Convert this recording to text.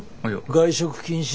外食禁止。